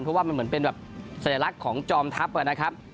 เพราะว่ามันเหมือนเป็นแบบสัญลักษณ์ของจอมทัพนะครับ